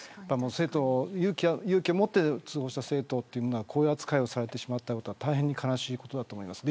勇気を持って通報した生徒がこういう扱いをされてしまったことは大変に悲しいことだと思います。